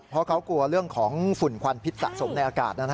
เพราะเขากลัวเรื่องของฝุ่นควันพิษสะสมในอากาศ